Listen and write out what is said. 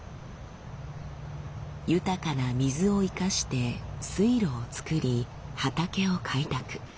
豊かな水を生かして水路を作り畑を開拓。